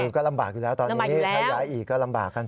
ก็ลำบากอยู่แล้วตอนนี้ถ้าย้ายอีกก็ลำบากกัน